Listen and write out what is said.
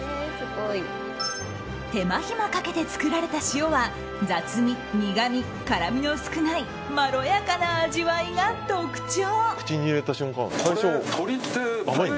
手間ひまかけて作られた塩は雑味、苦み、辛みの少ないまろやかな味わいが特徴。